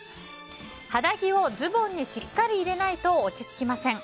肌着をズボンにしっかり入れないと落ち着きません。